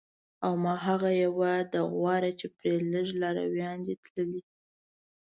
او ما هغه یوه ده غوره چې پرې لږ لارویان دي تللي